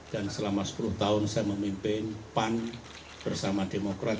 dan selama sepuluh tahun saya memimpin pan bersama demokrat